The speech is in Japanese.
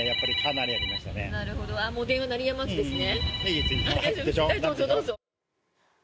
電話、鳴りやまずですね。